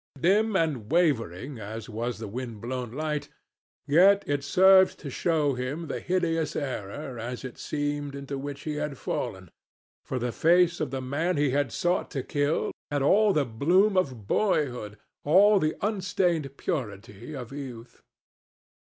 Dim and wavering as was the wind blown light, yet it served to show him the hideous error, as it seemed, into which he had fallen, for the face of the man he had sought to kill had all the bloom of boyhood, all the unstained purity of youth.